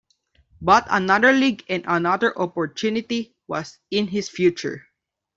But another league and another opportunity was in his future.